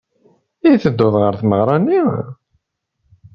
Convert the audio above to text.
I tedduḍ ɣer tmeɣra-nni?